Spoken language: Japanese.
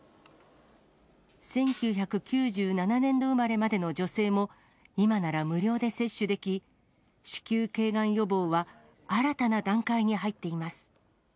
１９９７年度生まれまでの女性も今なら無料で接種でき、子宮けいがん予防は新たな段階に入っています。